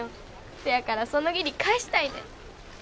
そやからその義理返したいねん。